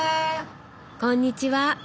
こんにちは。